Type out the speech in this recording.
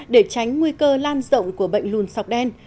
để tránh nguy cơ lan rộng của bệnh lùn sọc đen